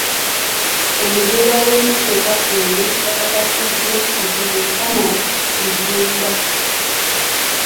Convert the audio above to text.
Omugoba w'emmotoka eno yakakasiddwa nti ye Haman Rujjumba.